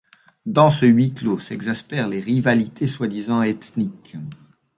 Dans ce huis-clos, s'exaspèrent les rivalités soi-disant ethniques.